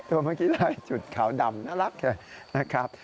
ตัวเมื่อกี้ลายจุดขาวดำน่ารักนะครับ